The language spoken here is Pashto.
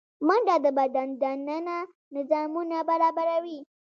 منډه د بدن دننه نظامونه برابروي